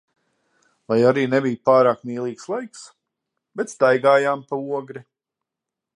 Lai arī nebija pārāk mīlīgs laiks, bet staigājām pa Ogri.